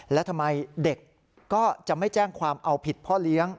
และทำไมเด็กก็จะไม่แจ้งความเอาผิดพ่อเลี้ยง